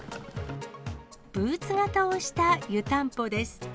ブーツ型をした湯たんぽです。